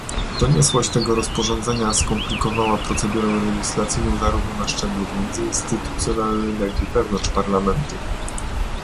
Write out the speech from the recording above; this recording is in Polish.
Doniosłość tego rozporządzenia skomplikowała procedurę legislacyjną zarówno na szczeblu międzynistytucjonalnym, jak i wewnątrz Parlamentu